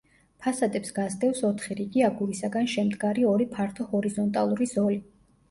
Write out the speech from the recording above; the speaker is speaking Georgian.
ფასადებს გასდევს ოთხი რიგი აგურისაგან შემდგარი ორი ფართო ჰორიზონტალური ზოლი.